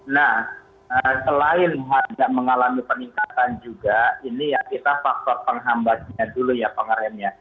nah selain harga mengalami peningkatan juga ini yang kita faktor penghambatnya dulu ya pengeremnya